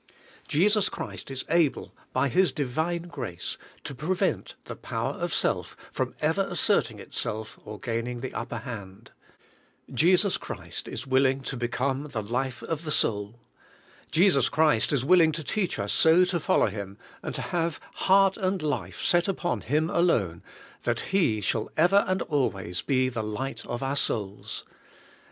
Jesus Christ is able, by His divine grace, to prevent the power of self from ever asserting itself or gaining the upper hand; Jesus Christ is willing to be come the life of the soul; Jesus Christ is willing to teach us so to follow Him, and to have heart and life set upon Him alone, that He shall ever and always be the light of our souls.